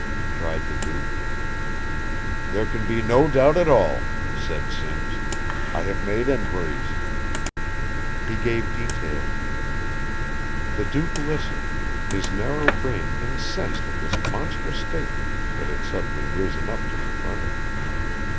cried the Duke. "There can be no doubt at all," said Simms. "I have made enquiries." He gave details. The Duke listened, his narrow brain incensed at this monstrous statement that had suddenly risen up to confront it.